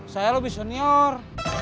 saya lebih senior